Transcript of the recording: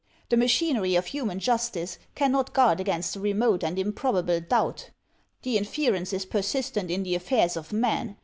The machinery of human justice cannot guard against the remote and improbable doubt. The inference is persistent in the affairs of men.